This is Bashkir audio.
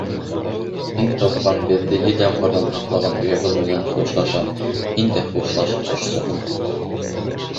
— Һин тыуған, беҙҙе ел-ямғырҙан һаҡлаған оябыҙ менән хушлашам, һин дә хушлаш, ҡошсоғом.